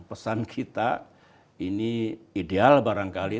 pesan kita ini ideal barangkali